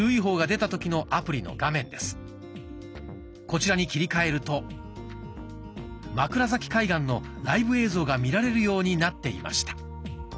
こちらに切り替えると枕崎海岸のライブ映像が見られるようになっていました。